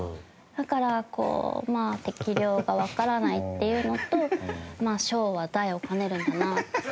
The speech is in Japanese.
だからこうまあ適量がわからないっていうのと小は大を兼ねるんだな。